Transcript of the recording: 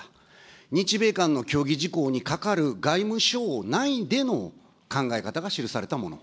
日米間の協議事項にかかる外務省内での考え方が記されたもの。